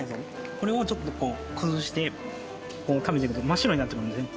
これをちょっと崩して食べていくと真っ白になってくるんですね。